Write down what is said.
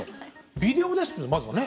ビデオですってまずはね。